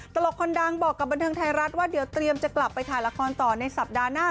ตลกคนดังบอกกับบันเทิงไทยรัฐว่าเดี๋ยวเตรียมจะกลับไปถ่ายละครต่อในสัปดาห์หน้า